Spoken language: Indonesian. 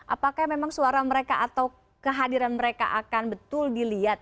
apakah memang suara mereka atau kehadiran mereka akan betul dilihat